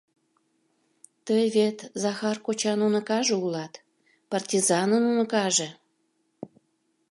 Тый вет Захар кочан уныкаже улат, партизанын уныкаже...